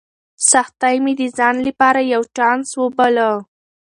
سختۍ مې د ځان لپاره یو چانس وباله.